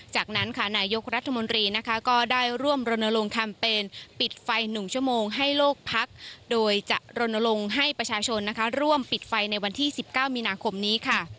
จากนั้นค่ะนายกรัฐมนตรีนะคะก็ได้ร่วมรณลงแคมเปญปิดไฟ๑ชั่วโมงให้โลกพักโดยจะรณรงค์ให้ประชาชนนะคะร่วมปิดไฟในวันที่๑๙มีนาคมนี้ค่ะ